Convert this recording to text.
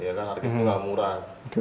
ya kan hardcase itu nggak murah